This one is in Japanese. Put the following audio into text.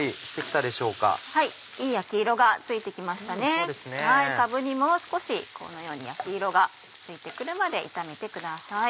かぶにもう少しこのように焼き色がついて来るまで炒めてください。